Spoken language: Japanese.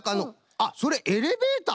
あっそれエレベーター！？